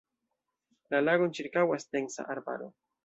La lagon ĉirkaŭas densa arbaro.